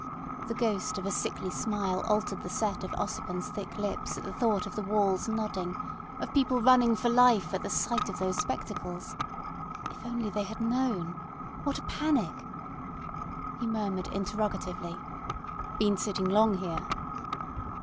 The ghost of a sickly smile altered the set of Ossipon's thick lips at the thought of the walls nodding, of people running for life at the sight of those spectacles. If they had only known! What a panic! He murmured interrogatively: "Been sitting long here?"